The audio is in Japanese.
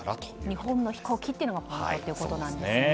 日本の飛行機というのがポイントということなんですね。